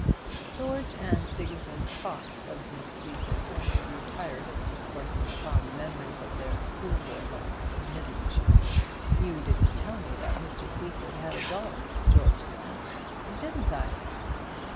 George and Sigismund talked of Miss Sleaford when they grew tired of discoursing upon the memories of their schoolboy life in Midlandshire. "You didn't tell me that Mr. Sleaford had a daughter," George said. "Didn't I?'